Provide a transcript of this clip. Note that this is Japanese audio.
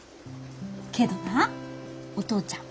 けどなお父ちゃん